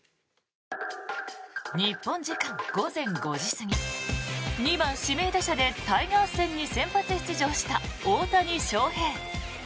日本時間午前５時過ぎ２番指名打者でタイガース戦に先発出場した大谷翔平。